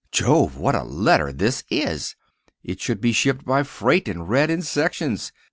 Jove, what a letter this is! It should be shipped by freight and read in sections.